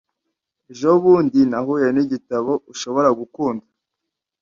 Ejobundi nahuye nigitabo ushobora gukunda.